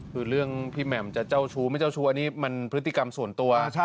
คือเรื่องพี่แหม่มจะเจ้าชู้ไม่เจ้าชู้นี่มันพฤติกรรมส่วนตัว